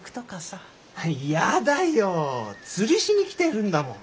やだよ釣りしに来てるんだもん。